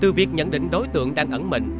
từ việc nhận định đối tượng đang ẩn mệnh